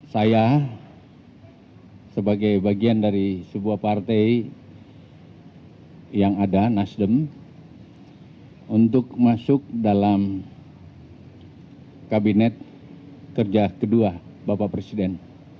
saya sebagai bagian dari sebuah partai yang ada nasdem untuk masuk dalam kabinet kerja kedua bapak presiden